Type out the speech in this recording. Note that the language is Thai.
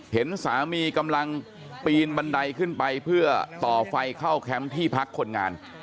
เห็นสามีกำลังปีนบันไดขึ้นไปเพื่อต่อไฟเข้าแคมป์ที่พักคนงาน